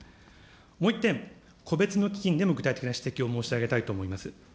もう一点、個別の基金でも具体的な指摘を申し上げたいと思います。